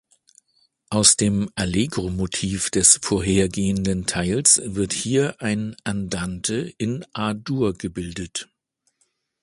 Aus dem "Allegro"-Motiv des vorhergehenden Teils wird hier ein "Andante" in A-Dur gebildet.